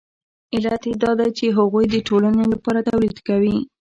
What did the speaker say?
علت یې دا دی چې هغوی د ټولنې لپاره تولید کوي